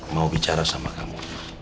mau bicara sama kamu